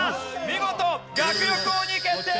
見事学力王に決定！